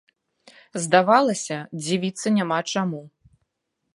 Здавалася, дзівіцца няма чаму.